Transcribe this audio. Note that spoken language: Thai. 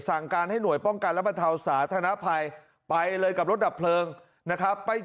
สั่งการให้หน่วยป้องกันและบรรเทาสาธารณภัยไปเลยกับรถดับเพลิงนะครับ